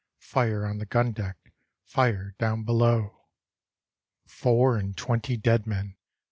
Fire on the gun deck, Fire down below. Four and twenty dead men.